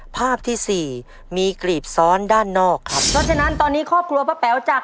ภาพที่สี่มีกรีบซ้อนด้านนอกครับเพราะฉะนั้นตอนนี้ครอบครัวป้าแป๋วจาก